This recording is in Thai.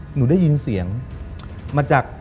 หนูได้ยินเสียงมาจาก